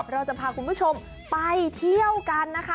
เราจะพาคุณผู้ชมไปเที่ยวกันนะคะ